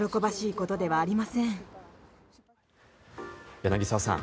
柳澤さん